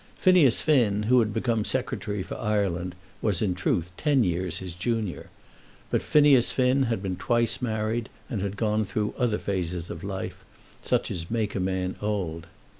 Phineas Finn, who had become Secretary for Ireland, was in truth ten years his junior. But Phineas Finn had been twice married, and had gone through other phases of life, such as make a man old.